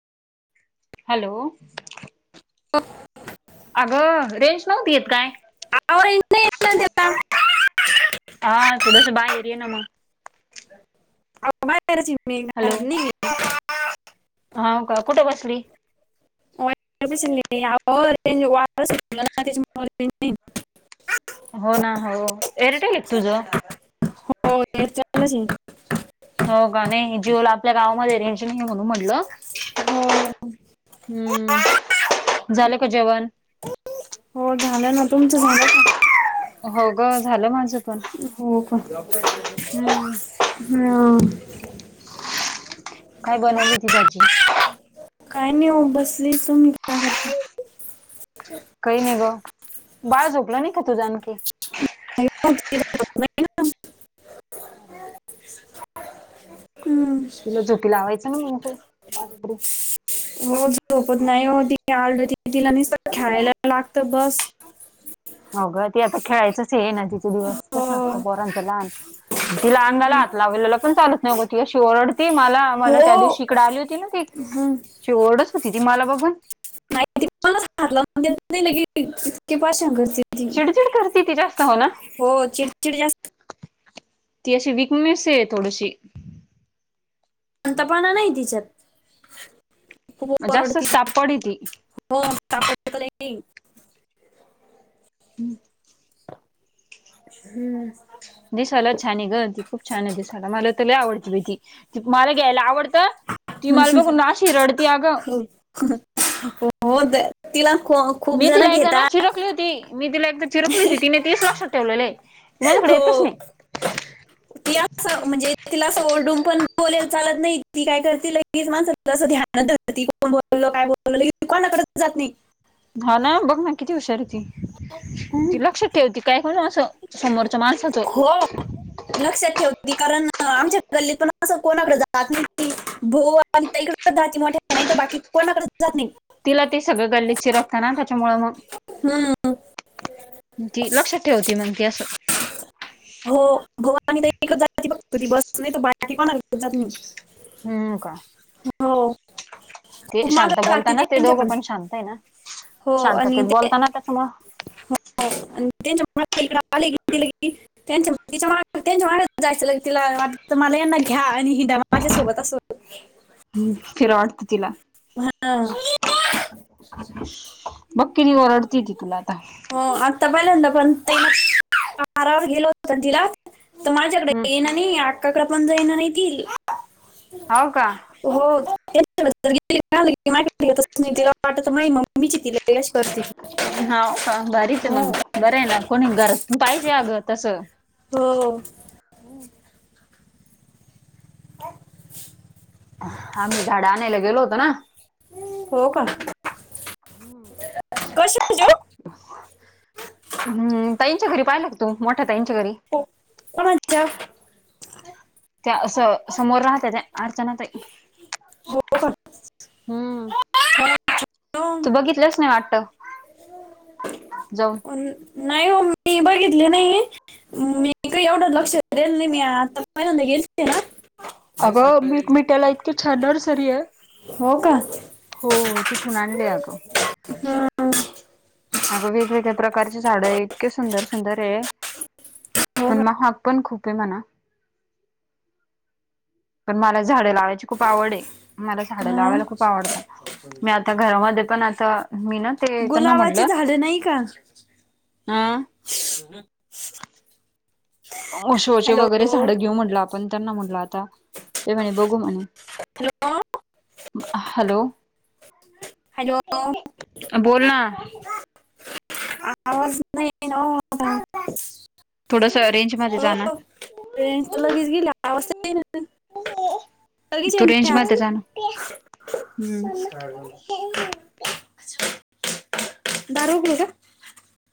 Hello. हो अगं range नव्हती का काय. अहो रेंज नाही येत ना त्याला हा थोडंस बाहेर येनं मग [unintelligible] हाव का कुठं बसली. [unintelligible] हो ना हो एअरटेल का तुझ? [unintelligible] होका नाही, जीओला आपल्या गावामध्ये रेंज नाही म्हणून म्हनंलं. हो! झालं का जेवण हो झालं ना तुमचं झालं का? हो ग झालं माझं. पण हो का हो! हम्म काय बनवली होती भाजी. काय नाही ओ बसली, तुम्ही काय करता? काही नाही गं, बाळ झोपला नाही का तूझा आणखी. [unintelligible] [inaudible] हूं! तिला झोपी लावायचं ना मग तू [unintelligible] हो झोपत नाही हो ती, आरडती तिला निसतं खेळायला लागत बस. हो ग ते आता खेळायचंच हे ना तिचे दिवस हो कसं असतं पोरांचं लहान. तीला अंगाला हं. हात लावलेला पण चालत नगो ती अशी ओरडती माला, हो मला त्या दिवशी इकडे आली होती ना ती! हं. अशी ओरडत होती ती माला बघून. [unintelligible] चिडचिड करती ती जास्त हो ना! हो चिडचिड जास्त ती अशी विकणेस आहे थोडीशी. शांतपणा नाही तिच्यात खूप ओरडती. जास्तच ताप पडे ती [unintelligible] [inaudible] हूं! दिसायला छान आहे ग, ती खूप छान आहे दिसायला, मला त लयी आवडती बयी ती मला घ्यायला आवड त ती माल बघून अशी रडती अग. हो दे तिला खो! मी तिला एकदा ना चिरकली, होती मी तिला चिरकली होती तिने तीच लक्षात ठेवलेलंय, ती माझ्याकडे हो येतच नही. ती असं म्हणजे तिलां असं ओरडून पण बोलेल चालत नाही ती काय करती ल तीच माणसाला असं ध्यानात धरती कोण बोलल काय बोललं कोनाकडचं जात नही. हा ना बघ ना किती हुशार हे ती, ती लक्षात ठेवती काय कणू असं. समोरच्या माणसाच हो! लक्षात ठेवती, कारण आमच्या गल्लीत पण असं कोणाकड जात नाही ती भो. पण ताईकड जाती मोठ्या नाही त बाकी कोणाकडचं जात नाही. तिला ती सगळं गल्ली चिरकता ना त्याच्यामुळ मग. हम्म. ती लक्षात ठेवती मंग ती असं. हो हो वाणीताई कड जाती ती फक्त ती बस नाही त बाकी कोणाकडेचं जात नही. हम् का? हो, ते खूप माग शांत लागते बोलताना, ते त्यांच्या दोघं पण शांत आहे ना हो आणि शांतातेत ते बोलताना मं त्यामुळं आणि त्यांच्या इक आले क [unintelligible] त्यां त्यांच्या्या जायचं तिला वाटत मला यांनी घ्या आणि हिडा माझ्यासोबत असं ह्म्म, फिरावा वाटतं तिला. हा ना ओ बघ किती ओरडती ती तुला आता. हो आत्ता पहिल्यादा पण ते पारावर गेलो होत तिला त माझ्याकडे हम्म येईणा पण नाहि ती, आक्काकडपन जाईना ती. हाव का? हो तिला [unintelligible] वाटत नही, मायी मम्मीची ति लगेच आशी करते. हाव का? भरीच हो मग बरं ये ना कोणी घरात पाहिजे अगं तसं. हो-हो. हं, हो, आम्ही झाडं आणायला गेलो होतो ना हो का? हम्म, कशा जो हम्, ताईंच्या घरी पाहायलं का तू, मोठ्या ताईंच्या घरी? हो, कोणत्या? त्या असं समोर राहत्या, त्या अर्चना ताई. हो हम्म. [inaudible] तू हो बघितलंच नाही वाटतं, जाऊन नाही ओ मी बघितले नाही. मी काय एवढं लक्षं देलं नाही मी आता म गेलंते ना अगं मीठ मिठायला इतकी छान नर्सरी आहे. हो का? हो, तिकुन आणले आगं. हम्, अगं वेगवेगळ्या प्रकारचे झाड ये, इतके सुंदर- सुंदर ये. हो पण का महाग पण खूप ये म्हणा. पण मला झाडें लावायची खूप आवड आहे, मला झाडं हं. लावायला खूप आवडता. मी आता घरामध्ये पण आता, मी ना ते त्यांना म्हटलं झाले नाही का? हा, आओ शो चे हॅलो वगैरे झाडं घेऊ म्हटलं आपण त्यांना म्हटलं आता, ते म्हणे बघू म्हणे. हॅलो, हॅलो, हॅलो, हा बोल ना आवाज नाही येईना थोडस रेंज मध्ये ओ, जा ना. रेंज लगेच गेली या आवाज तू रेंज मध्ये जा ना. हम्म. [unintelligible] [inaudible] दार उघडू काय?